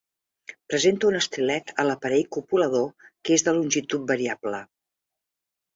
Presenta un estilet a l'aparell copulador que és de longitud variable.